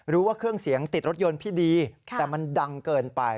ว่าเครื่องเสียงติดรถยนต์พี่ดีแต่มันดังเกินไป